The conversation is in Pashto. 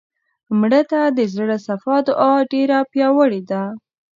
مړه ته د زړه صفا دعا ډېره پیاوړې ده